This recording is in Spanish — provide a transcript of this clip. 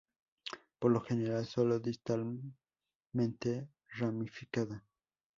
Por lo general, sólo distalmente ramificada.